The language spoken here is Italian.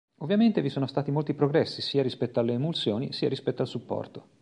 Ovviamente vi sono stati molti progressi sia rispetto alle emulsioni, sia rispetto al supporto.